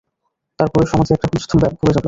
তার পরে সমাজে একটা হুলস্থুল পড়ে যাবে।